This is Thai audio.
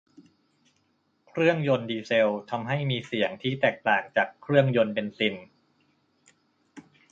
เครื่องยนต์ดีเซลทำให้มีเสียงที่แตกต่างจากเครื่องยนต์เบนซิน